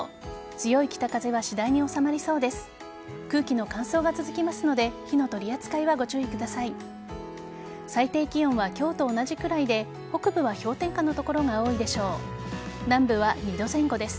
強い北風は次第に収まりそうです。